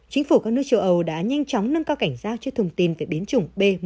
chính phủ các nước châu âu đã nhanh chóng nâng cao cảnh giác cho thông tin về biến chủng b một